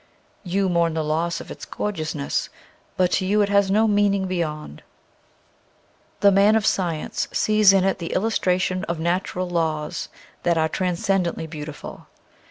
You mourn the loss of its gorgeousness, but to you it has no meaning beyond. The man of science sees in it the illustration of natural laws that are trans cendently beautiful.